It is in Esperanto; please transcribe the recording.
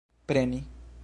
preni